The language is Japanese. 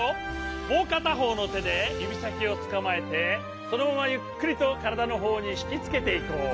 もうかたほうのてでゆびさきをつかまえてそのままゆっくりとからだのほうにひきつけていこう。